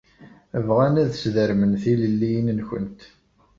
Bɣan ad sdermen tilelliyin-nkent.